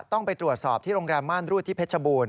ต้องไปตรวจสอบที่โรงแรมม่านรูดที่เพชรบูรณ